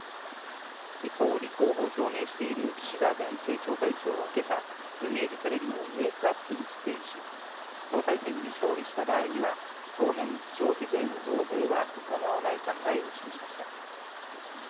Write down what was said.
一方、立候補を表明している岸田前政調会長はけさ、読売テレビのウェークアップに出演し、総裁選に勝利した場合には、当面、消費税の増税は行わない考えを示しました。